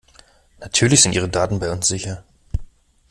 Natürlich sind ihre Daten bei uns sicher!